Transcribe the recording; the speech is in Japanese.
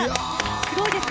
すごいですね。